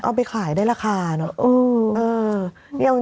เอาไปขายได้ราคาเนอะ